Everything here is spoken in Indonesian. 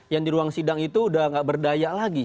yang di ruang sidang itu udah gak berdaya lagi